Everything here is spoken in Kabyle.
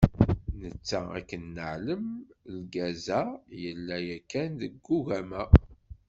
Netta akken neεlem, lgaz-a, yella yakan deg ugama.